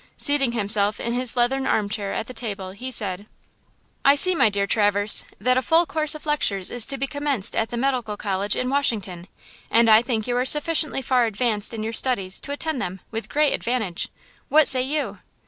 Seating himself in his leathern armchair at the table, he said: "I see, my dear Traverse, that a full course of lectures is to be commenced at the medical college in Washington, and I think that you are sufficiently far advanced in your studies to attend them with great advantage–what say you?"